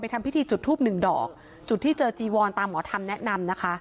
ทำพิธีจุดทูบหนึ่งดอกจุดที่เจอจีวอนตามหมอธรรมแนะนำนะคะ